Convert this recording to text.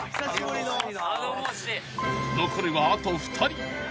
［残るはあと２人］